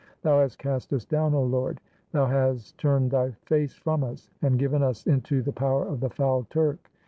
Thou hast cast us down, O Lord; Thou has turned Thy face from us, and given us into the power of the foul Turk.